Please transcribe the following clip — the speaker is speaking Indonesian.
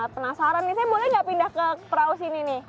penasaran nih saya boleh nggak pindah ke perahu sini nih